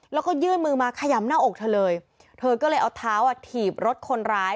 แล้วก็ยื่นมือมาขยำหน้าอกเธอเลยเธอก็เลยเอาเท้าอ่ะถีบรถคนร้าย